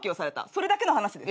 それだけの話です。